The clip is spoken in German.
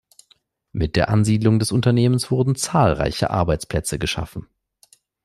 Mit der Ansiedlung des Unternehmens wurden zahlreiche Arbeitsplätze geschaffen.